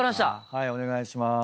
はいお願いします。